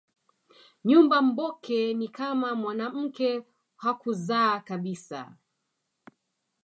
Nyumba mboke ni kama mwanamke hakuzaa kabisa